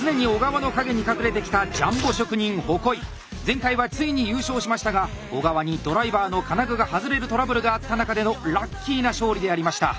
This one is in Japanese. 前回はついに優勝しましたが小川にドライバーの金具が外れるトラブルがあった中でのラッキーな勝利でありました。